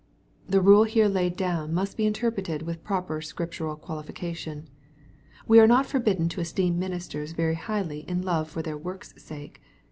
The rule here laid down must be interpreted with proper Scriptural qualification. We are not forbidden to esteem ministers very highly in love for their work's sake.